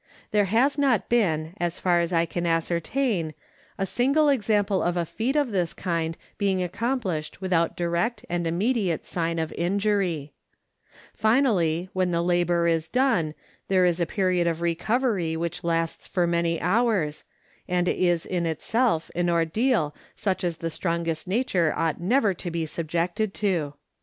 There has not been, as far as I can ascertain, a single 182 THE NORTH AMERICAN REVIEW. example of a feat of this kind being accomplished without direct and immediate sign of injury. Finally, when the labor is done there is the period of recovery which lasts for many hours, and is in itself an ordeal which the strongest nature ought never to be subjected to.